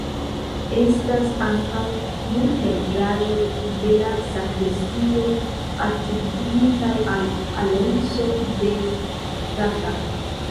Estas ankaŭ murpentraĵoj de la sakristio atribuitaj al Alonso de Gata.